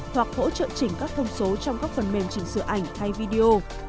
hoặc hỗ trợ chỉnh các thông số trong các phần mềm chỉnh sửa ảnh hay video